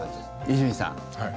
伊集院さん。